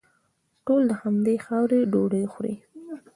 ټول د همدې خاورې ډوډۍ خوري.